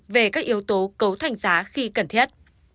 về các yếu tố cấu thành giá khi cần thiết